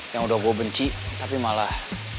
yang udah gue benci tapi malah